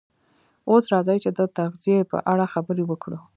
اوس راځئ چې د تغذیې په اړه خبرې وکړو